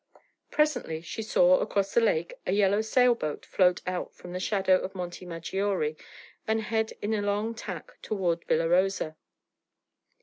Presently she saw, across the lake, a yellow sailboat float out from the shadow of Monte Maggiore and head in a long tack toward Villa Rosa.